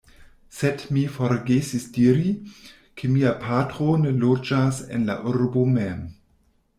Sed mi forgesis diri, ke mia patro ne loĝas en la urbo mem.